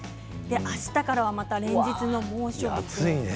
あしたからは、また連日の猛暑。